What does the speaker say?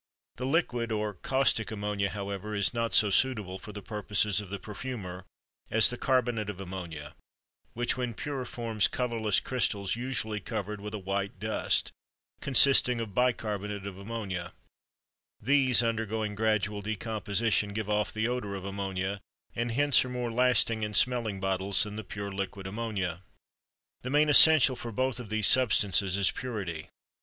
The liquid or caustic ammonia, however, is not so suitable for the purposes of the perfumer as the carbonate of ammonia, which when pure forms colorless crystals usually covered with a white dust (consisting of bicarbonate of ammonia); these, undergoing gradual decomposition, give off the odor of ammonia and hence are more lasting in smelling bottles than the pure liquid ammonia. The main essential for both of these substances is purity.